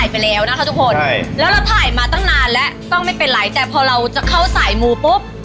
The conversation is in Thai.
พูดถึงเจ้าที่ตายายปุ๊บ